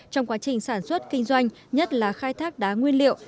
trong quá trình sản xuất kinh doanh nhất là khai thác đá nguyên liệu